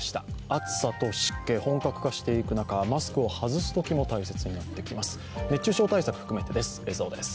暑さと湿気、本格化していく中マスクを外す時も大切になっていきます。